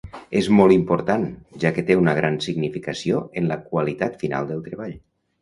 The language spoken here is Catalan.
És molt important, ja que té una gran significació en la qualitat final del treball.